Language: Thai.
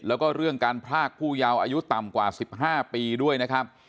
แล้วก็เรื่องการพรากผู้ยาวอายุต่ำกว่า๑๕ปีด้วยนะครับ